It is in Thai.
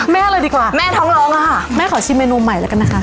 ไม่หรอกแม่อะไรดีกว่าแม่ท้องร้องค่ะแม่ขอชิมเมนูใหม่แล้วกันนะคะ